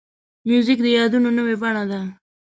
موزیک د یادونو نوې بڼه ده.